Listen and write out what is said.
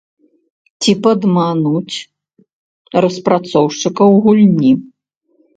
Ці падмануць распрацоўшчыкаў гульні.